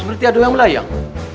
seperti ada yang melayang